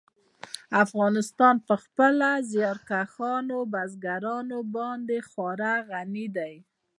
افغانستان په خپلو زیارکښو بزګانو باندې خورا غني دی.